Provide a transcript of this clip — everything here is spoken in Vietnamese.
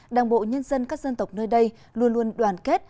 đảng bộ nhân dân các dân tộc nơi đây luôn luôn đoàn kết